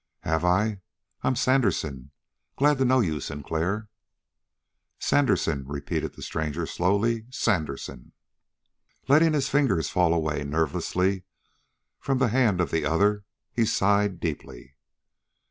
"Have I? I'm Sandersen. Glad to know you, Sinclair." "Sandersen!" repeated the stranger slowly. "Sandersen!" Letting his fingers fall away nervelessly from the hand of the other, he sighed deeply.